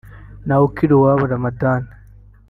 Ntawukiruwabo Ramadhan